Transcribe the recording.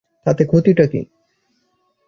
তাতে ক্ষতিটা কী?